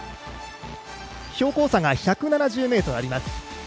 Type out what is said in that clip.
標高差が１７０ｍあります。